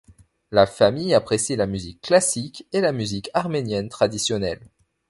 La famille apprécie la musique classique et la musique arménienne traditionnelle.